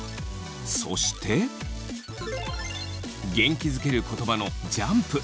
そして元気づける言葉のジャンプ。